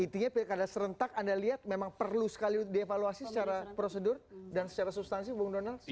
intinya pilkada serentak anda lihat memang perlu sekali dievaluasi secara prosedur dan secara substansi bung donald